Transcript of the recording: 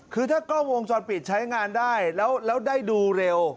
คือถ้ากล้องวงจรปิดใช้งานได้แล้วได้ดูเร็ว